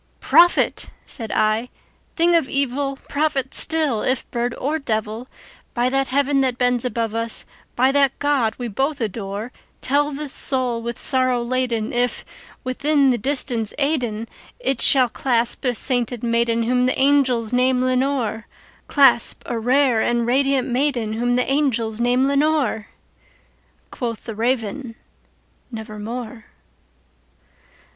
"Prophet!" said I, "thing of evil—prophet still, if bird or devil! By that Heaven that bends above us, by that God we both adore, Tell this soul with sorrow laden if, within the distant Aidenn, It shall clasp a sainted maiden whom the angels name Lenore:Clasp a rare and radiant maiden whom the angels name Lenore!"Quoth the Raven, "Nevermore."